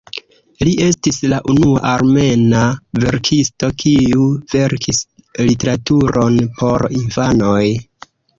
Li estis la unua armena verkisto kiu verkis literaturon por infanoj.